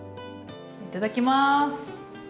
いただきます！